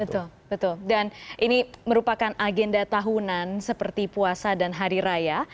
betul betul dan ini merupakan agenda tahunan seperti puasa dan hari raya